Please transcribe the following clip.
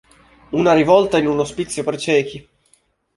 Una rivolta in un ospizio per ciechi.